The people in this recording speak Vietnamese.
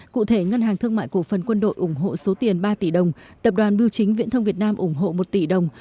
cụ thể ngân hàng thương mại cổ phần quân đội ủng hộ số tiền ba tỷ đồng tập đoàn biêu chính viễn thông việt nam ủng hộ một tỷ đồng